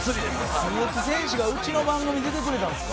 鈴木選手がうちの番組出てくれたんですか？